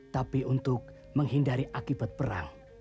tapi untuk menghindari akibat perang